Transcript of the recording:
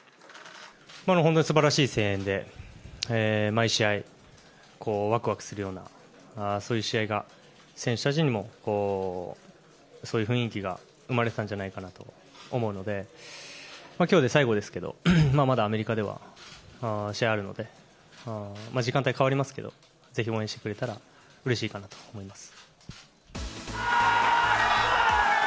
本当にすばらしい声援で、毎試合、わくわくするような、そういう試合が、選手たちにもそういう雰囲気が生まれてたんじゃないかなと思うので、きょうで最後ですけど、まだアメリカでは試合あるので、時間帯変わりますけど、ぜひ応援してくれたらうれしいかなと思います。